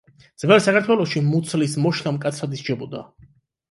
ძველ საქართველოში მუცლის მოშლა მკაცრად ისჯებოდა.